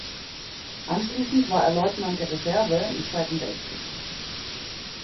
Anschließend war er Leutnant der Reserve im Zweiten Weltkrieg.